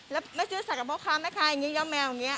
แล้วไม่ซื้อสัตว์กับพวกค้าไม่ค่อยย้อมแมวอย่างนี้